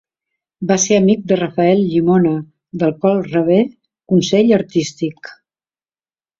Va ser amic de Rafael Llimona, del qual rebé consell artístic.